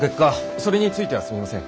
それについてはすみません。